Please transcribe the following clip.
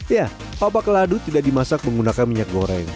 ya obak ladu tidak dimasak menggunakan minyak goreng